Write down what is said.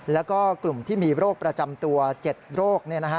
แล้วก็กลุ่มที่มีโรคประจำตัว๗โรค